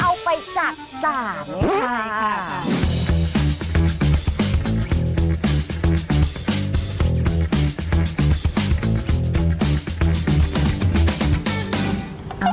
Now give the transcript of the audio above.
เอาไปจักษาไหมคะ